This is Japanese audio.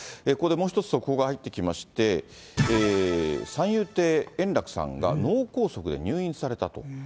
ここでもう一つ、速報が入ってきまして、三遊亭円楽さんが脳梗塞で入院されたと。